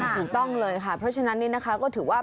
ถูกต้องเลยค่ะเพราะฉะนั้นนี่นะคะ